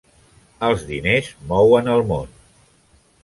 Els diners mouen el món.